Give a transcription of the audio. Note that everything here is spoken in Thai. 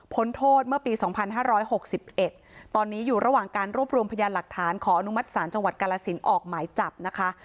โทษเมื่อปี๒๕๖๑ตอนนี้อยู่ระหว่างการรวบรวมพยานหลักฐานขออนุมัติศาลจังหวัดกาลสินออกหมายจับนะคะ